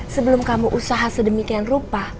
sebelum kamu usaha sedemikian rupa